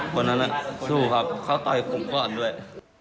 คนนั้นสู้ครับเขาต่อยผมก่อนด้วย